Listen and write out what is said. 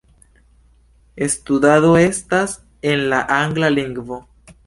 Studado estas en la angla lingvo.